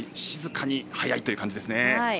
静かに速いという感じ。